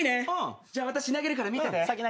じゃあ私投げるから見てて。